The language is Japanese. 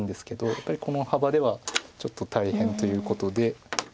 やっぱりこの幅ではちょっと大変ということで。